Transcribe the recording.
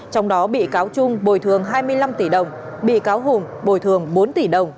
trong đó bị cáo trung bồi thường hai mươi năm tỷ đồng bị cáo hùng bồi thường bốn tỷ đồng